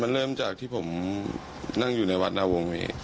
มันเริ่มจากที่ผมนั่งอยู่ในวัดนาวงศ์